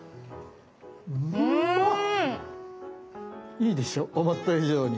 いいでしょ思った以上に。